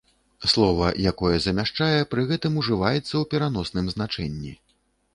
Слова, якое замяшчае, пры гэтым ужываецца ў пераносным значэнні.